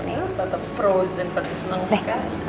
tante frozen pasti seneng sekali